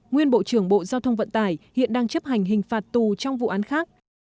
nguyên bộ trưởng bộ giao thông vận tải hiện đang chấp hành hình phạt tù trong vụ án khác